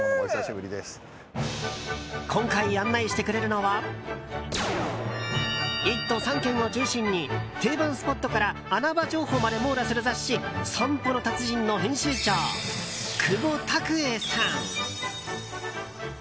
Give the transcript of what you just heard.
今回、案内してくれるのは１都３県を中心に定番スポットから穴場情報まで網羅する雑誌「散歩の達人」の編集長・久保拓英さん。